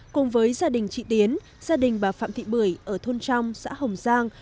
cùng với gia đình chị tiến gia đình bà phạm thị bưởi ở thôn trong xã hồng giang